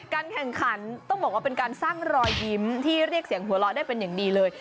แข่งขันต้องบอกว่าเป็นการสร้างรอยยิ้มที่เรียกเสียงหัวเราะได้เป็นอย่างดีเลย